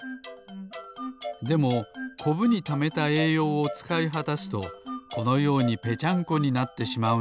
でもコブにためたえいようをつかいはたすとこのようにぺちゃんこになってしまうんです。